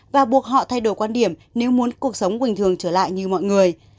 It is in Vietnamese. và buộc họ thay đổi quan điểm nếu muốn cuộc sống bình thường trở lại như mọi người